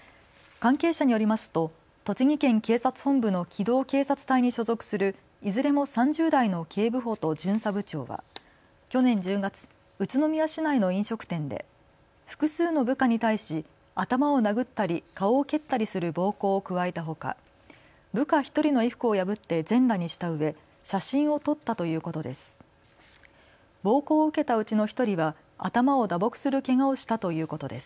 関係者によりますと栃木県警察本部の機動警察隊に所属するいずれも３０代の警部補と巡査部長は去年１０月、宇都宮市内の飲食店で複数の部下に対し頭を殴ったり顔を蹴ったりする暴行を加えたほか、部下１人の衣服を破って全裸にしたうえ写真を撮ったということです。